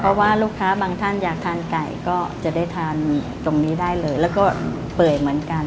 เพราะว่าลูกค้าบางท่านอยากทานไก่ก็จะได้ทานตรงนี้ได้เลยแล้วก็เปื่อยเหมือนกัน